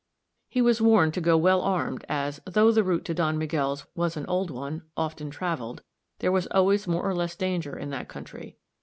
He was warned to go well armed, as, though the route to Don Miguel's was an old one, often traveled, there was always more or less danger in that country.